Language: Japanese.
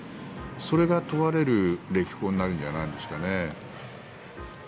それが問われる歴訪になるんじゃないですかね。